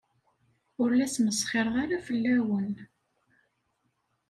Ur la smesxireɣ ara fell-awen.